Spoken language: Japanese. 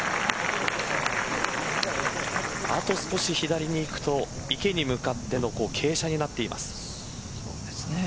あと少し左にいくと池に向かっての傾斜になっています。